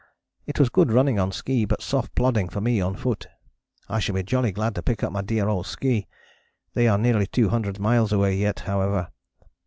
It was good running on ski but soft plodding for me on foot. I shall be jolly glad to pick up my dear old ski. They are nearly 200 miles away yet, however.